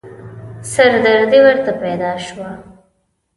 سردردې ورته پيدا شوه.